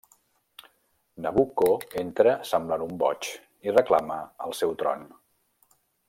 Nabucco entra semblant un boig, i reclama el seu tron.